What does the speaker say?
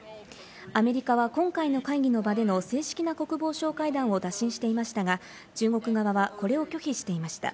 アメリカは今回の会議の場での正式な国防相会談を打診していましたが、中国側はこれを拒否していました。